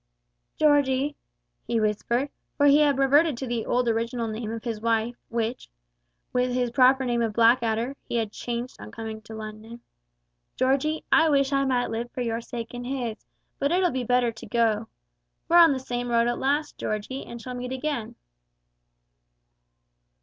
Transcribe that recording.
"Georgie," he whispered for he had reverted to the old original name of his wife, which, with his proper name of Blackadder, he had changed on coming to London "Georgie, I wish I might live for your sake and His, but it'll be better to go. We're on the same road at last, Georgie, and shall meet again."